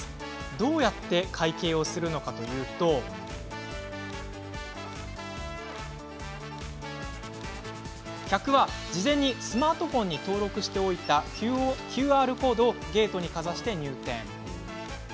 どうやって会計をするのかというと客は、事前にスマートフォンに登録しておいたＱＲコードをゲートにかざして入店。